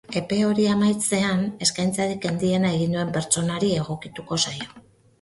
Epe hori amaitzean, eskaintzarik handiena egin duen pertsonari egokituko zaio.